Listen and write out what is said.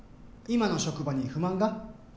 今の職場に不満が？